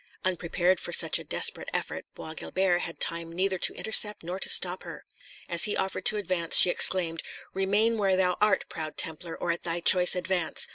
Unprepared for such a desperate effort, Bois Guilbert had time neither to intercept nor to stop her. As he offered to advance, she exclaimed, "Remain where thou art, proud Templar, or at thy choice advance!